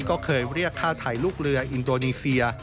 ก็เคยเรียกฆ่าไทยลูกเรืออินโดนีเซีย